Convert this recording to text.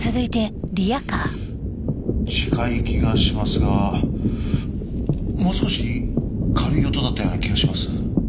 「」近い気がしますがもう少し軽い音だったような気がします。